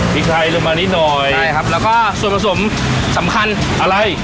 พริกไทยลงมานิดหน่อยใช่ครับแล้วก็ส่วนผสมสำคัญอะไร